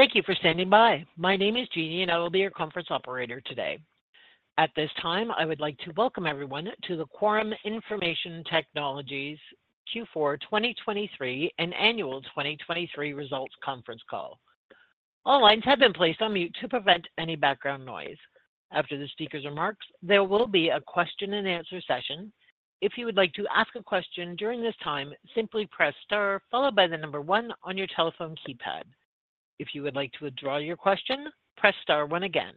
Thank you for standing by. My name is Jeanie, and I will be your conference operator today. At this time, I would like to welcome everyone to the Quorum Information Technologies Q4 2023 and annual 2023 results conference call. All lines have been placed on mute to prevent any background noise. After the speaker's remarks, there will be a question-and-answer session. If you would like to ask a question during this time, simply press star followed by the number one on your telephone keypad. If you would like to withdraw your question, press star one again.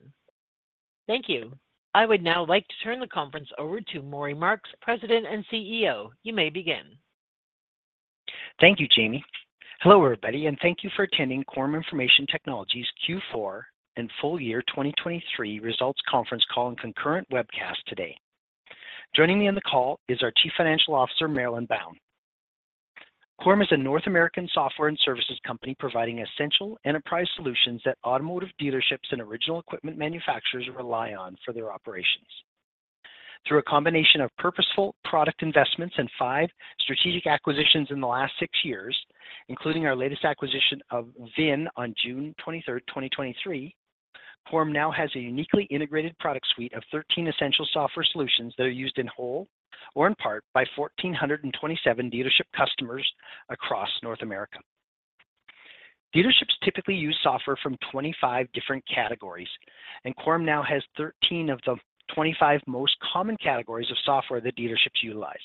Thank you. I would now like to turn the conference over to Maury Marks, President and CEO. You may begin. Thank you, Jeanie. Hello everybody, and thank you for attending Quorum Information Technologies Q4 and full year 2023 results conference call and concurrent webcast today. Joining me on the call is our Chief Financial Officer, Marilyn Bown. Quorum is a North American software and services company providing essential enterprise solutions that automotive dealerships and original equipment manufacturers rely on for their operations. Through a combination of purposeful product investments and 5 strategic acquisitions in the last 6 years, including our latest acquisition of VINT on June 23, 2023, Quorum now has a uniquely integrated product suite of 13 essential software solutions that are used in whole or in part by 1,427 dealership customers across North America. Dealerships typically use software from 25 different categories, and Quorum now has 13 of the 25 most common categories of software that dealerships utilize.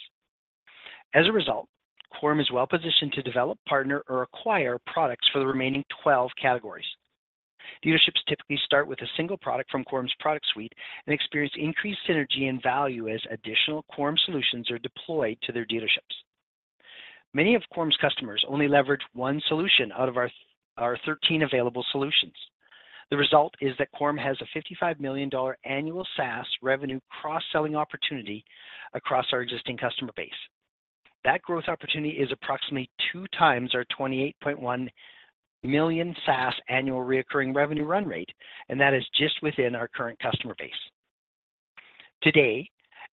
As a result, Quorum is well positioned to develop, partner, or acquire products for the remaining 12 categories. Dealerships typically start with a single product from Quorum's product suite and experience increased synergy and value as additional Quorum solutions are deployed to their dealerships. Many of Quorum's customers only leverage one solution out of our 13 available solutions. The result is that Quorum has a 55 million dollar annual SaaS revenue cross-selling opportunity across our existing customer base. That growth opportunity is approximately two times our 28.1 million SaaS annual recurring revenue run rate, and that is just within our current customer base. Today,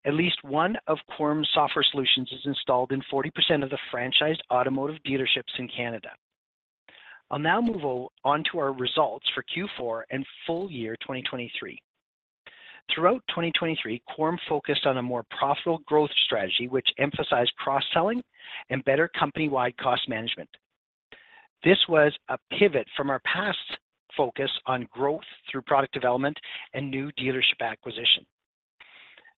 at least one of Quorum's software solutions is installed in 40% of the franchised automotive dealerships in Canada. I'll now move on to our results for Q4 and full year 2023. Throughout 2023, Quorum focused on a more profitable growth strategy which emphasized cross-selling and better company-wide cost management. This was a pivot from our past focus on growth through product development and new dealership acquisition.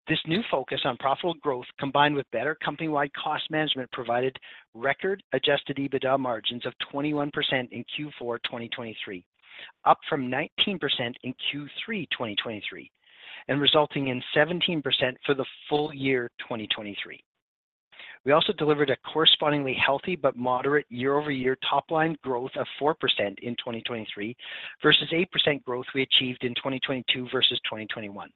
This new focus on profitable growth, combined with better company-wide cost management, provided record Adjusted EBITDA margins of 21% in Q4 2023, up from 19% in Q3 2023, and resulting in 17% for the full year 2023. We also delivered a correspondingly healthy but moderate year-over-year top-line growth of 4% in 2023 versus 8% growth we achieved in 2022 versus 2021.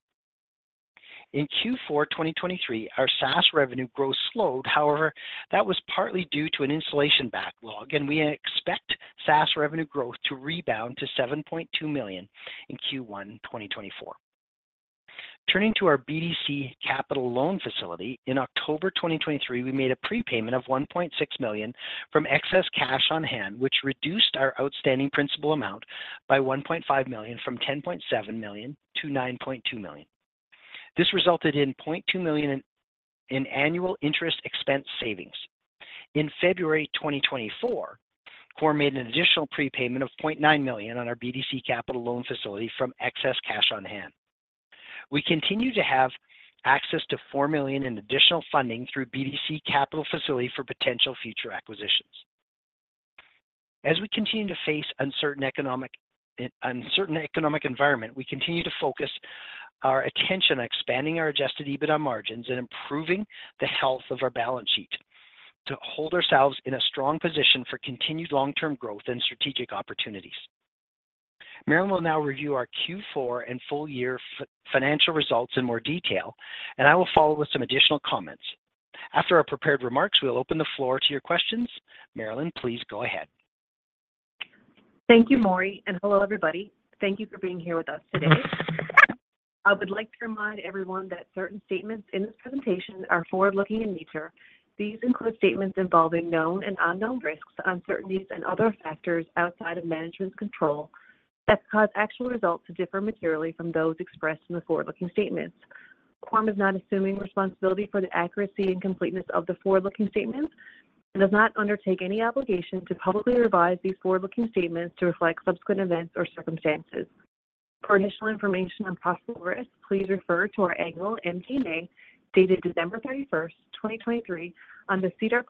In Q4 2023, our SaaS revenue growth slowed, however, that was partly due to an installation backlog, and we expect SaaS revenue growth to rebound to 7.2 million in Q1 2024. Turning to our BDC Capital Loan Facility, in October 2023, we made a prepayment of 1.6 million from excess cash on hand, which reduced our outstanding principal amount by 1.5 million from 10.7 million to 9.2 million. This resulted in 0.2 million in annual interest expense savings. In February 2024, Quorum made an additional prepayment of 0.9 million on our BDC Capital Loan Facility from excess cash on hand. We continue to have access to 4 million in additional funding through BDC Capital Facility for potential future acquisitions. As we continue to face an uncertain economic environment, we continue to focus our attention on expanding our adjusted EBITDA margins and improving the health of our balance sheet to hold ourselves in a strong position for continued long-term growth and strategic opportunities. Marilyn will now review our Q4 and full year financial results in more detail, and I will follow with some additional comments. After our prepared remarks, we'll open the floor to your questions. Marilyn, please go ahead. Thank you, Maury, and hello everybody. Thank you for being here with us today. I would like to remind everyone that certain statements in this presentation are forward-looking in nature. These include statements involving known and unknown risks, uncertainties, and other factors outside of management's control that cause actual results to differ materially from those expressed in the forward-looking statements. Quorum is not assuming responsibility for the accuracy and completeness of the forward-looking statements and does not undertake any obligation to publicly revise these forward-looking statements to reflect subsequent events or circumstances. For additional information on possible risks, please refer to our annual MD&A dated December 31st, 2023, on SEDAR+.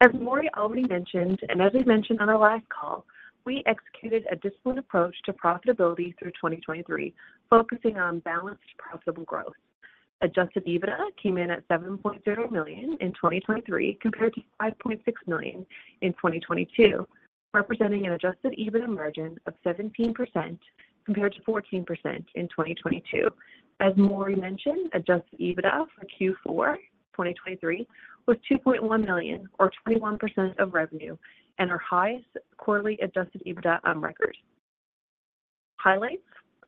As Maury already mentioned, and as we mentioned on our last call, we executed a disciplined approach to profitability through 2023, focusing on balanced profitable growth. Adjusted EBITDA came in at 7.0 million in 2023 compared to 5.6 million in 2022, representing an adjusted EBITDA margin of 17% compared to 14% in 2022. As Maury mentioned, adjusted EBITDA for Q4 2023 was 2.1 million, or 21% of revenue, and our highest quarterly adjusted EBITDA on record. Highlights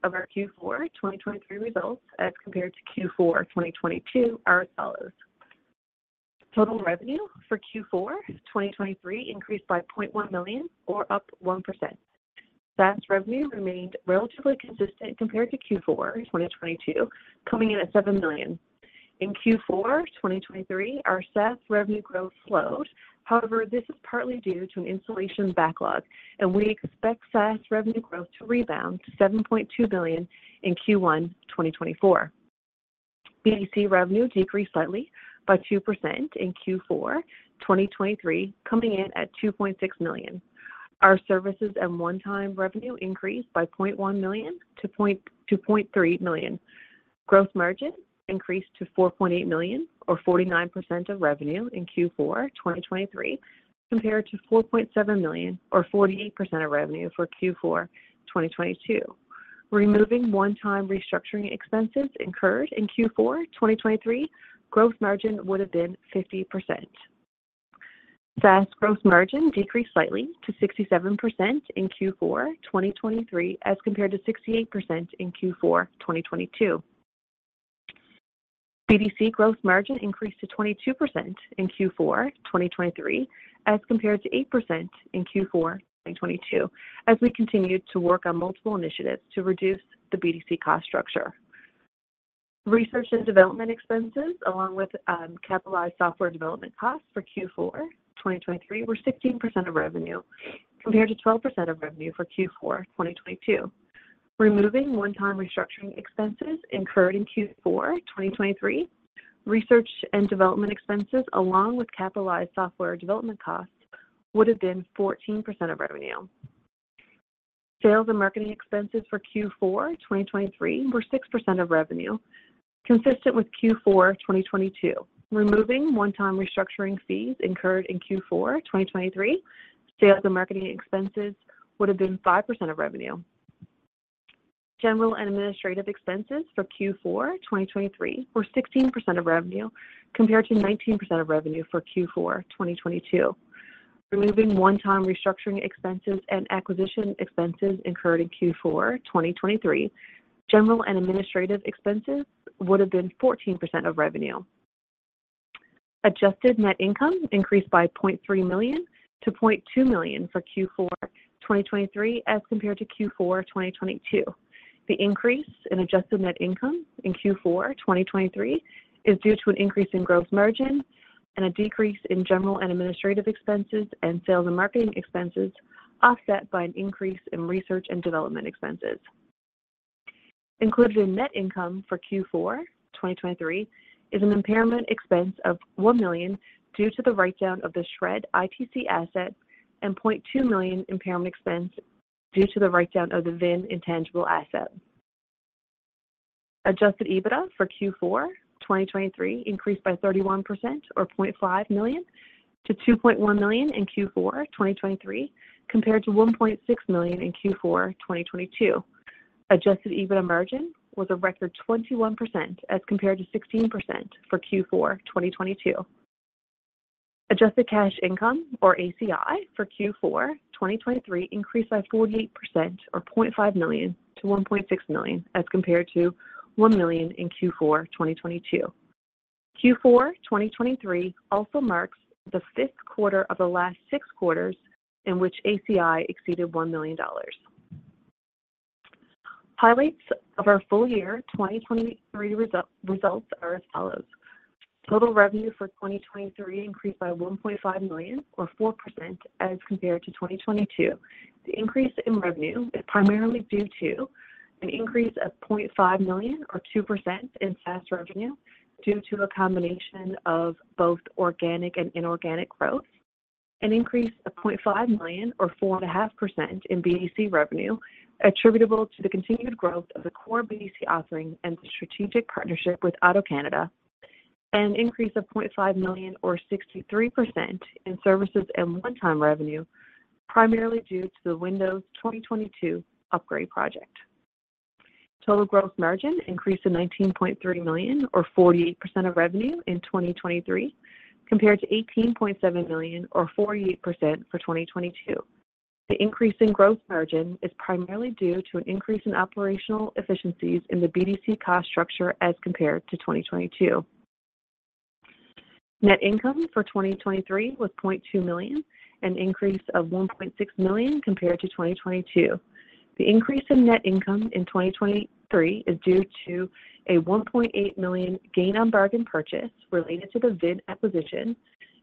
of our Q4 2023 results as compared to Q4 2022 are as follows. Total revenue for Q4 2023 increased by 0.1 million, or up 1%. SaaS revenue remained relatively consistent compared to Q4 2022, coming in at 7 million. In Q4 2023, our SaaS revenue growth slowed, however, this is partly due to an installation backlog, and we expect SaaS revenue growth to rebound to 7.2 million in Q1 2024. BDC revenue decreased slightly by 2% in Q4 2023, coming in at 2.6 million. Our services and one-time revenue increased by 0.1 million to 0.3 million. Gross margin increased to 4.8 million, or 49% of revenue in Q4 2023, compared to 4.7 million, or 48% of revenue for Q4 2022. Removing one-time restructuring expenses incurred in Q4 2023, gross margin would have been 50%. SaaS gross margin decreased slightly to 67% in Q4 2023 as compared to 68% in Q4 2022. BDC gross margin increased to 22% in Q4 2023 as compared to 8% in Q4 2022 as we continued to work on multiple initiatives to reduce the BDC cost structure. Research and development expenses, along with capitalized software development costs for Q4 2023, were 16% of revenue compared to 12% of revenue for Q4 2022. Removing one-time restructuring expenses incurred in Q4 2023, research and development expenses, along with capitalized software development costs, would have been 14% of revenue. Sales and marketing expenses for Q4 2023 were 6% of revenue, consistent with Q4 2022. Removing one-time restructuring fees incurred in Q4 2023, sales and marketing expenses would have been 5% of revenue. General and administrative expenses for Q4 2023 were 16% of revenue compared to 19% of revenue for Q4 2022. Removing one-time restructuring expenses and acquisition expenses incurred in Q4 2023, general and administrative expenses would have been 14% of revenue. Adjusted net income increased by 0.3 million to 0.2 million for Q4 2023 as compared to Q4 2022. The increase in adjusted net income in Q4 2023 is due to an increase in gross margin and a decrease in general and administrative expenses and sales and marketing expenses offset by an increase in research and development expenses. Included in net income for Q4 2023 is an impairment expense of 1 million due to the write-down of the SR&ED ITC asset and 0.2 million impairment expense due to the write-down of the VIN intangible asset. Adjusted EBITDA for Q4 2023 increased by 31%, or 0.5 million, to 2.1 million in Q4 2023 compared to 1.6 million in Q4 2022. Adjusted EBITDA margin was a record 21% as compared to 16% for Q4 2022. Adjusted cash income, or ACI, for Q4 2023 increased by 48%, or 0.5 million, to 1.6 million as compared to 1 million in Q4 2022. Q4 2023 also marks the fifth quarter of the last six quarters in which ACI exceeded 1 million dollars. Highlights of our full-year 2023 results are as follows. Total revenue for 2023 increased by 1.5 million, or 4%, as compared to 2022. The increase in revenue is primarily due to an increase of 0.5 million, or 2%, in SaaS revenue due to a combination of both organic and inorganic growth, an increase of 0.5 million, or 4.5%, in BDC revenue attributable to the continued growth of the core BDC offering and the strategic partnership with AutoCanada, and an increase of 0.5 million, or 63%, in services and one-time revenue primarily due to the Windows 2022 upgrade project. Total gross margin increased to 19.3 million, or 48%, of revenue in 2023 compared to 18.7 million, or 48%, for 2022. The increase in gross margin is primarily due to an increase in operational efficiencies in the BDC cost structure as compared to 2022. Net income for 2023 was 0.2 million, an increase of 1.6 million compared to 2022. The increase in net income in 2023 is due to a 1.8 million gain on bargain purchase related to the VIN acquisition,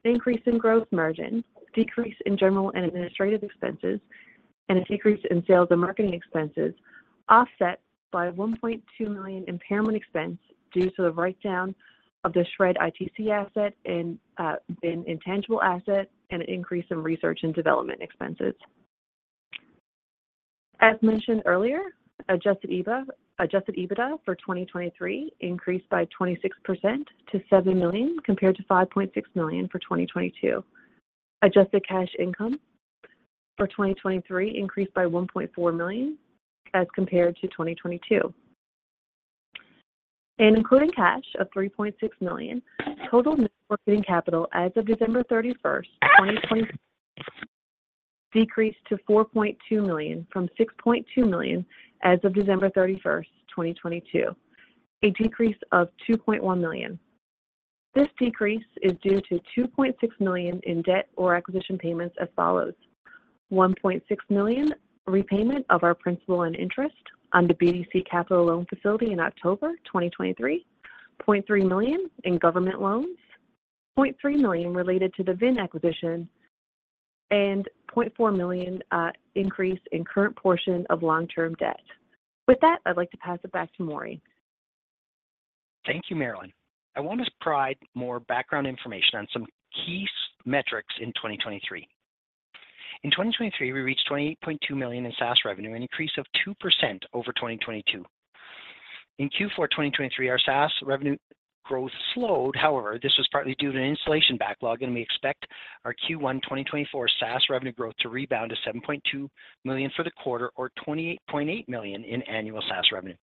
an increase in gross margin, decrease in general and administrative expenses, and a decrease in sales and marketing expenses offset by 1.2 million impairment expense due to the write-down of the SR&ED ITC asset and VIN intangible asset and an increase in research and development expenses. As mentioned earlier, Adjusted EBITDA for 2023 increased by 26% to 7 million compared to 5.6 million for 2022. Adjusted Cash Income for 2023 increased by 1.4 million as compared to 2022. Including cash of 3.6 million, total net working capital as of December 31st, 2023 decreased to 4.2 million from 6.2 million as of December 31st, 2022, a decrease of 2.1 million. This decrease is due to 2.6 million in debt and acquisition payments as follows. 1.6 million repayment of our principal and interest on the BDC Capital Loan Facility in October 2023, 0.3 million in government loans, 0.3 million related to the VIN acquisition, and 0.4 million increase in current portion of long-term debt. With that, I'd like to pass it back to Maury. Thank you, Marilyn. I want to provide more background information on some key metrics in 2023. In 2023, we reached 28.2 million in SaaS revenue, an increase of 2% over 2022. In Q4 2023, our SaaS revenue growth slowed, however, this was partly due to an installation backlog, and we expect our Q1 2024 SaaS revenue growth to rebound to 7.2 million for the quarter, or 28.8 million in annual SaaS revenue.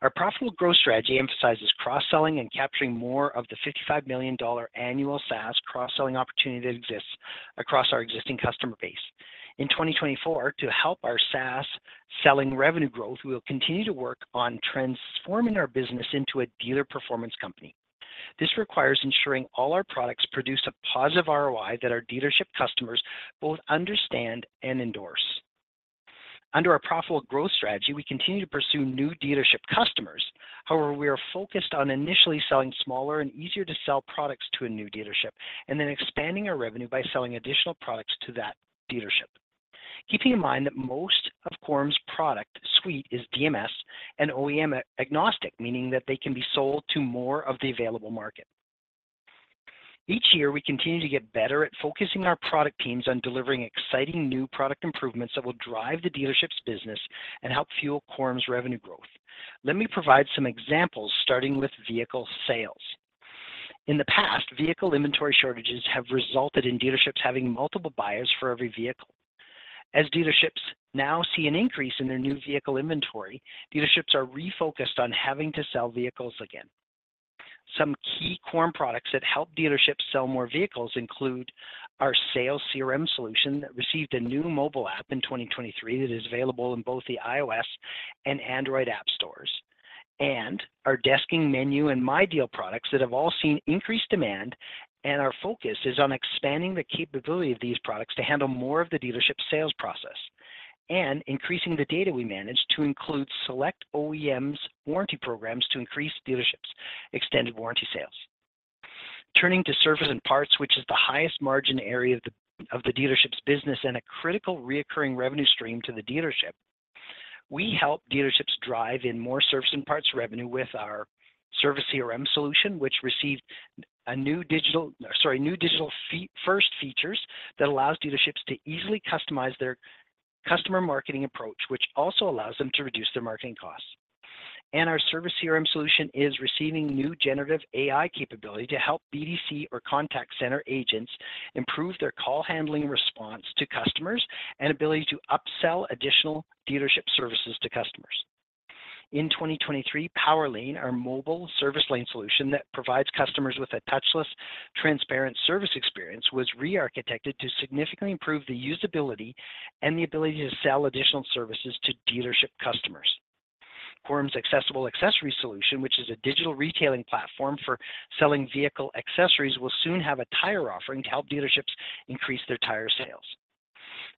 Our profitable growth strategy emphasizes cross-selling and capturing more of the 55 million dollar annual SaaS cross-selling opportunity that exists across our existing customer base. In 2024, to help our SaaS selling revenue growth, we will continue to work on transforming our business into a dealer performance company. This requires ensuring all our products produce a positive ROI that our dealership customers both understand and endorse. Under our profitable growth strategy, we continue to pursue new dealership customers. However, we are focused on initially selling smaller and easier-to-sell products to a new dealership and then expanding our revenue by selling additional products to that dealership, keeping in mind that most of Quorum's product suite is DMS and OEM agnostic, meaning that they can be sold to more of the available market. Each year, we continue to get better at focusing our product teams on delivering exciting new product improvements that will drive the dealership's business and help fuel Quorum's revenue growth. Let me provide some examples starting with vehicle sales. In the past, vehicle inventory shortages have resulted in dealerships having multiple buyers for every vehicle. As dealerships now see an increase in their new vehicle inventory, dealerships are refocused on having to sell vehicles again. Some key Quorum products that help dealerships sell more vehicles include our Sales CRM solution that received a new mobile app in 2023 that is available in both the iOS and Android app stores, and our Desking, Menu, and MyDeal products that have all seen increased demand, and our focus is on expanding the capability of these products to handle more of the dealership sales process, and increasing the data we manage to include select OEMs' warranty programs to increase dealerships' extended warranty sales. Turning to service and parts, which is the highest margin area of the dealership's business and a critical recurring revenue stream to the dealership, we help dealerships drive in more service and parts revenue with our Service CRM solution, which received a new digital-first features that allows dealerships to easily customize their customer marketing approach, which also allows them to reduce their marketing costs. Our Service CRM solution is receiving new Generative AI capability to help BDC or contact center agents improve their call handling response to customers and ability to upsell additional dealership services to customers. In 2023, PowerLane, our mobile service lane solution that provides customers with a touchless, transparent service experience, was rearchitected to significantly improve the usability and the ability to sell additional services to dealership customers. Quorum's Accessible Accessories solution, which is a digital retailing platform for selling vehicle accessories, will soon have a tire offering to help dealerships increase their tire sales.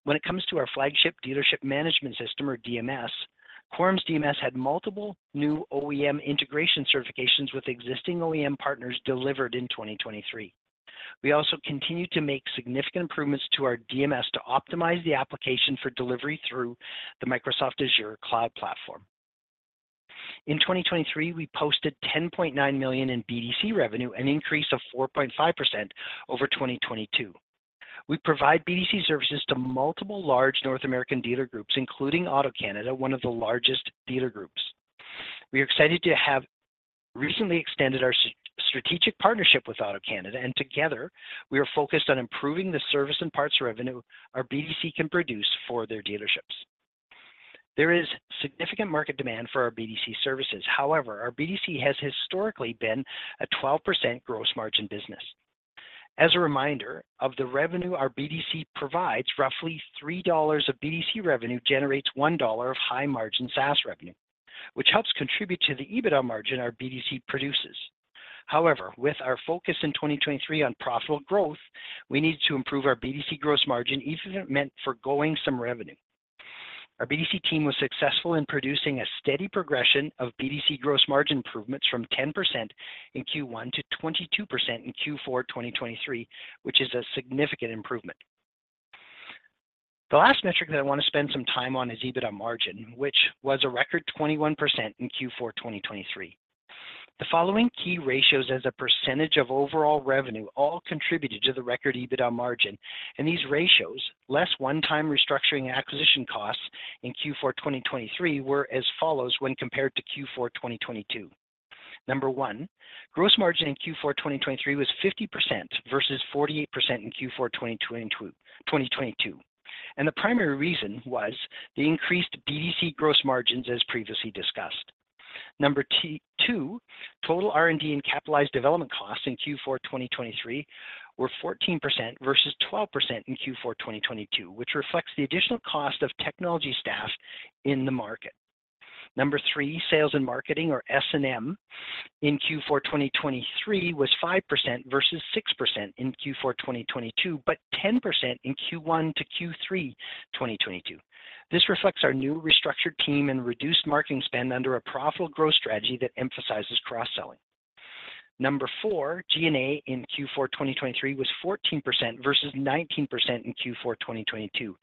When it comes to our flagship dealership management system, or DMS, Quorum's DMS had multiple new OEM integration certifications with existing OEM partners delivered in 2023. We also continue to make significant improvements to our DMS to optimize the application for delivery through the Microsoft Azure cloud platform. In 2023, we posted 10.9 million in BDC revenue, an increase of 4.5% over 2022. We provide BDC services to multiple large North American dealer groups, including AutoCanada, one of the largest dealer groups. We are excited to have recently extended our strategic partnership with AutoCanada, and together, we are focused on improving the service and parts revenue our BDC can produce for their dealerships. There is significant market demand for our BDC services. However, our BDC has historically been a 12% gross margin business. As a reminder of the revenue our BDC provides, roughly 3 dollars of BDC revenue generates 1 dollar of high-margin SaaS revenue, which helps contribute to the EBITDA margin our BDC produces. However, with our focus in 2023 on profitable growth, we need to improve our BDC gross margin, even if it meant forgoing some revenue. Our BDC team was successful in producing a steady progression of BDC gross margin improvements from 10% in Q1 to 22% in Q4 2023, which is a significant improvement. The last metric that I want to spend some time on is EBITDA margin, which was a record 21% in Q4 2023. The following key ratios as a percentage of overall revenue all contributed to the record EBITDA margin, and these ratios, less one-time restructuring acquisition costs in Q4 2023, were as follows when compared to Q4 2022. Number one, gross margin in Q4 2023 was 50% versus 48% in Q4 2022, and the primary reason was the increased BDC gross margins, as previously discussed. Number two, total R&D and capitalized development costs in Q4 2023 were 14% versus 12% in Q4 2022, which reflects the additional cost of technology staff in the market. Number three, sales and marketing, or S&M, in Q4 2023 was 5% versus 6% in Q4 2022, but 10% in Q1 to Q3 2022. This reflects our new restructured team and reduced marketing spend under a profitable growth strategy that emphasizes cross-selling. Number four, G&A in Q4 2023 was 14% versus 19% in Q4 2022,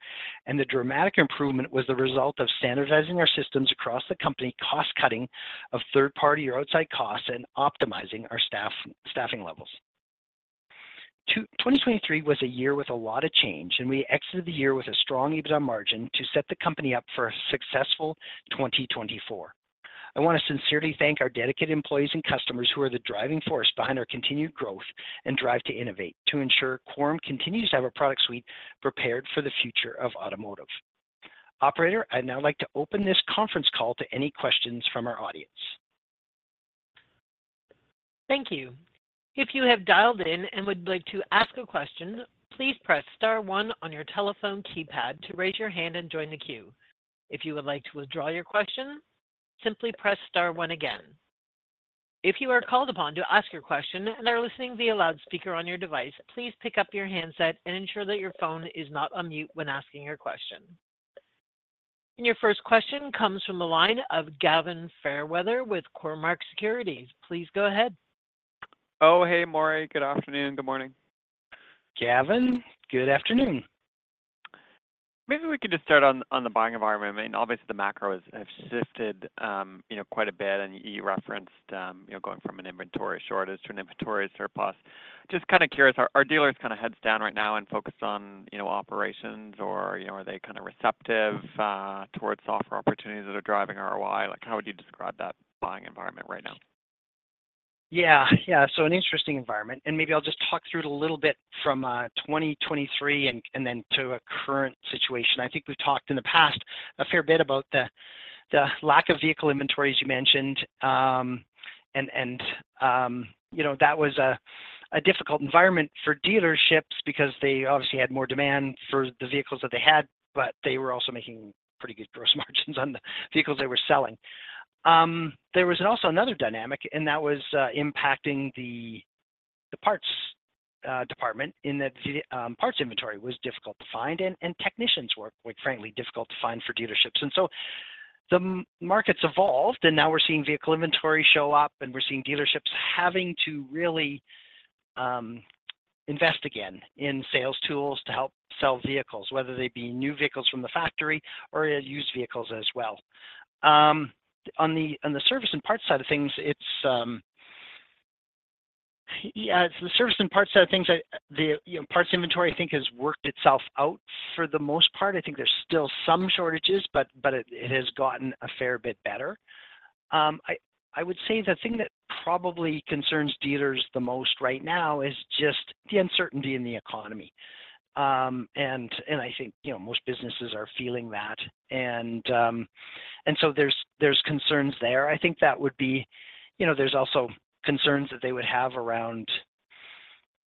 and the dramatic improvement was the result of standardizing our systems across the company, cost-cutting of third-party or outside costs, and optimizing our staffing levels. 2023 was a year with a lot of change, and we exited the year with a strong EBITDA margin to set the company up for a successful 2024. I want to sincerely thank our dedicated employees and customers who are the driving force behind our continued growth and drive to innovate to ensure Quorum continues to have a product suite prepared for the future of automotive. Operator, I'd now like to open this conference call to any questions from our audience. Thank you. If you have dialed in and would like to ask a question, please press star one on your telephone keypad to raise your hand and join the queue. If you would like to withdraw your question, simply press star one again. If you are called upon to ask your question and are listening via loudspeaker on your device, please pick up your handset and ensure that your phone is not on mute when asking your question. Your first question comes from the line of Gavin Fairweather with Cormark Securities. Please go ahead. Oh, hey, Maury. Good afternoon. Good morning. Gavin, good afternoon. Maybe we could just start on the buying environment. I mean, obviously, the macro has shifted quite a bit, and you referenced going from an inventory shortage to an inventory surplus. Just kind of curious, are dealers kind of heads down right now and focused on operations, or are they kind of receptive towards software opportunities that are driving ROI? How would you describe that buying environment right now? Yeah. Yeah. So, an interesting environment. And maybe I'll just talk through it a little bit from 2023 and then to a current situation. I think we've talked in the past a fair bit about the lack of vehicle inventories you mentioned, and that was a difficult environment for dealerships because they obviously had more demand for the vehicles that they had, but they were also making pretty good gross margins on the vehicles they were selling. There was also another dynamic, and that was impacting the parts department in that parts inventory was difficult to find, and technicians were, frankly, difficult to find for dealerships. And so the markets evolved, and now we're seeing vehicle inventory show up, and we're seeing dealerships having to really invest again in sales tools to help sell vehicles, whether they be new vehicles from the factory or used vehicles as well. On the service and parts side of things, it's yeah, it's the service and parts side of things. The parts inventory, I think, has worked itself out for the most part. I think there's still some shortages, but it has gotten a fair bit better. I would say the thing that probably concerns dealers the most right now is just the uncertainty in the economy. I think most businesses are feeling that, and so there's concerns there. I think that would be. There's also concerns that they would have around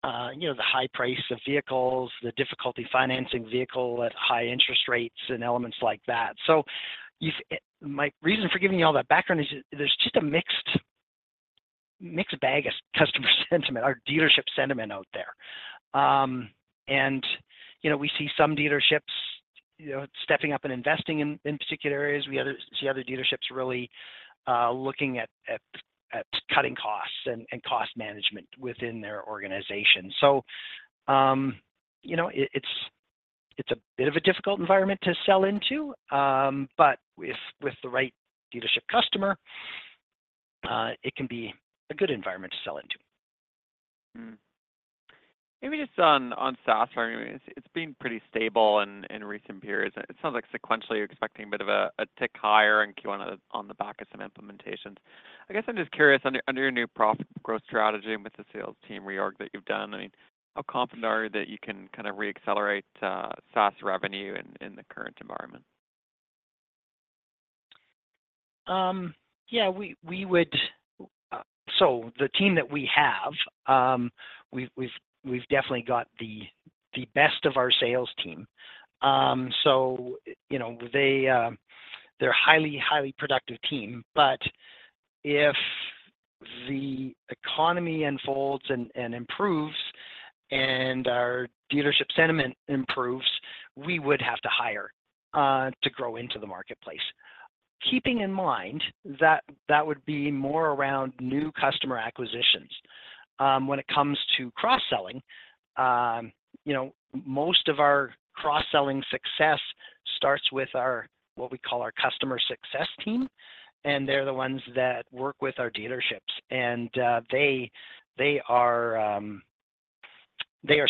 the high price of vehicles, the difficulty financing vehicles at high interest rates, and elements like that. So my reason for giving you all that background is there's just a mixed bag of customer sentiment, our dealership sentiment, out there. We see some dealerships stepping up and investing in particular areas. We see other dealerships really looking at cutting costs and cost management within their organization. So it's a bit of a difficult environment to sell into, but with the right dealership customer, it can be a good environment to sell into. Maybe just on SaaS environment, it's been pretty stable in recent periods. It sounds like sequentially expecting a bit of a tick higher in Q1 on the back of some implementations. I guess I'm just curious, under your new profitable growth strategy and with the sales team reorg that you've done, I mean, how confident are you that you can kind of reaccelerate SaaS revenue in the current environment? Yeah. So the team that we have, we've definitely got the best of our sales team. So they're a highly, highly productive team. But if the economy unfolds and improves and our dealership sentiment improves, we would have to hire to grow into the marketplace, keeping in mind that that would be more around new customer acquisitions. When it comes to cross-selling, most of our cross-selling success starts with what we call our customer success team, and they're the ones that work with our dealerships. And they are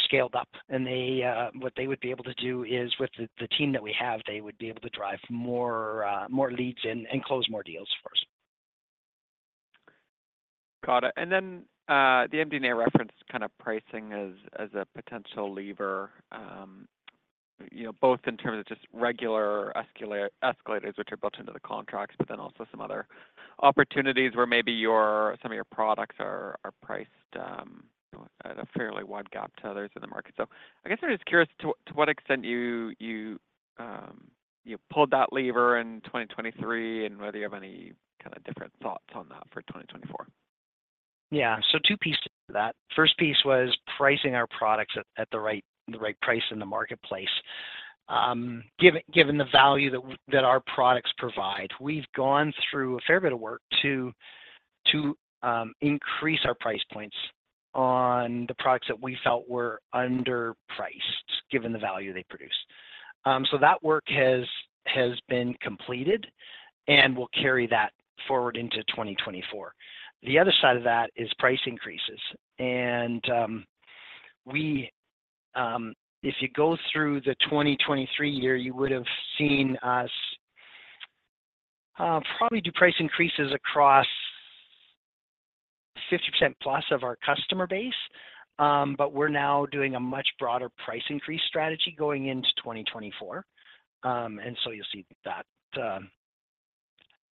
scaled up, and what they would be able to do is, with the team that we have, they would be able to drive more leads and close more deals, of course. Got it. Then the MD&A referenced kind of pricing as a potential lever, both in terms of just regular escalators, which are built into the contracts, but then also some other opportunities where maybe some of your products are priced at a fairly wide gap to others in the market. So I guess I'm just curious to what extent you pulled that lever in 2023 and whether you have any kind of different thoughts on that for 2024. Yeah. So two pieces to that. First piece was pricing our products at the right price in the marketplace. Given the value that our products provide, we've gone through a fair bit of work to increase our price points on the products that we felt were underpriced, given the value they produce. So that work has been completed and will carry that forward into 2024. The other side of that is price increases. And if you go through the 2023 year, you would have seen us probably do price increases across 50%+ of our customer base, but we're now doing a much broader price increase strategy going into 2024. And so you'll see that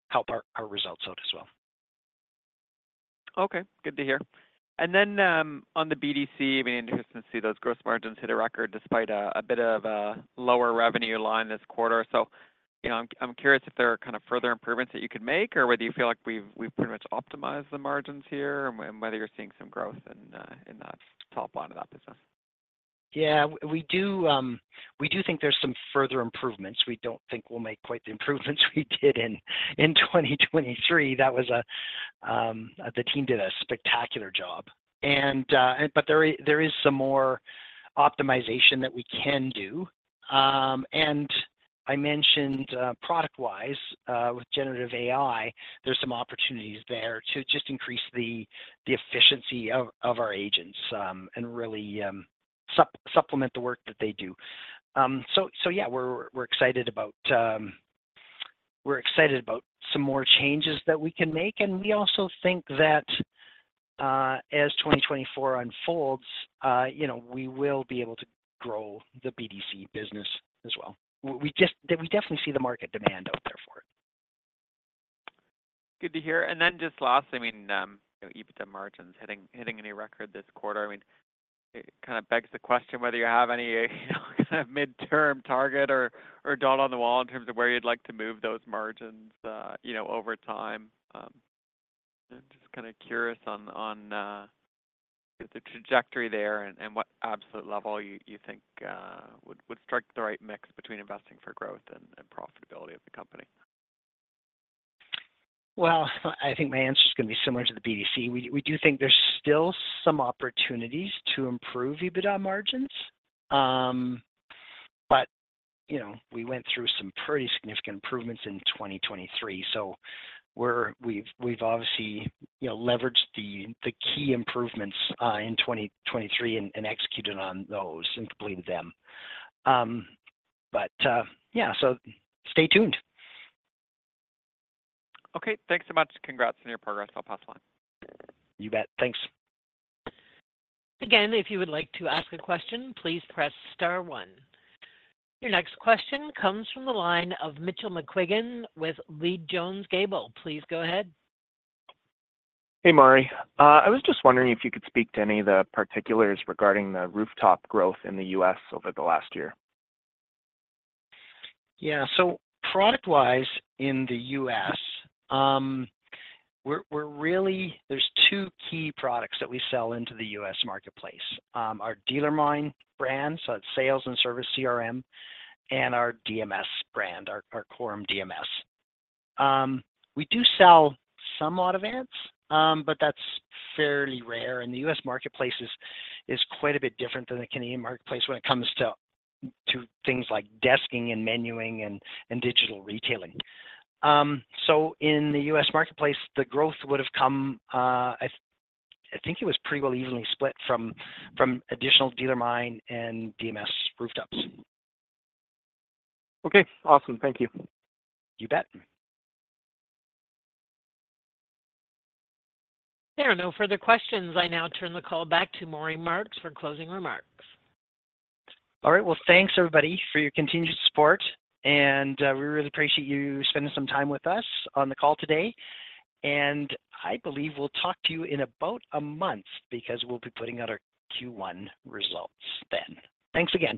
help our results out as well. Okay. Good to hear. And then on the BDC, I mean, interesting to see those gross margins hit a record despite a bit of a lower revenue line this quarter. So I'm curious if there are kind of further improvements that you could make, or whether you feel like we've pretty much optimized the margins here and whether you're seeing some growth in that top line of that business. Yeah. We do think there's some further improvements. We don't think we'll make quite the improvements we did in 2023. The team did a spectacular job. But there is some more optimization that we can do. And I mentioned, product-wise, with generative AI, there's some opportunities there to just increase the efficiency of our agents and really supplement the work that they do. So yeah, we're excited about some more changes that we can make. And we also think that as 2024 unfolds, we will be able to grow the BDC business as well. We definitely see the market demand out there for it. Good to hear. And then just last, I mean, EBITDA margins, hitting a new record this quarter, I mean, it kind of begs the question whether you have any kind of midterm target or dotted on the wall in terms of where you'd like to move those margins over time. I'm just kind of curious on the trajectory there and what absolute level you think would strike the right mix between investing for growth and profitability of the company. Well, I think my answer is going to be similar to the BDC. We do think there's still some opportunities to improve EBITDA margins, but we went through some pretty significant improvements in 2023. So we've obviously leveraged the key improvements in 2023 and executed on those and completed them. But yeah, so stay tuned. Okay. Thanks so much. Congrats on your progress. I'll pass along. You bet. Thanks. Again, if you would like to ask a question, please press star one. Your next question comes from the line of Mitchell McQuiggin with Leede Jones Gable. Please go ahead. Hey, Maury. I was just wondering if you could speak to any of the particulars regarding the rooftop growth in the U.S. over the last year? Yeah. So product-wise in the U.S., there's two key products that we sell into the US marketplace: our DealerMine brand, so that's Sales and Service CRM, and our DMS brand, our Quorum DMS. We do sell some Autovance, but that's fairly rare. And the U.S. marketplace is quite a bit different than the Canadian marketplace when it comes to things like desking and menuing and digital retailing. So in the U.S. marketplace, the growth would have come I think it was pretty well evenly split from additional DealerMine and DMS rooftops. Okay. Awesome. Thank you. You bet. There are no further questions. I now turn the call back to Maury Marks for closing remarks. All right. Well, thanks, everybody, for your continued support. We really appreciate you spending some time with us on the call today. I believe we'll talk to you in about a month because we'll be putting out our Q1 results then. Thanks again.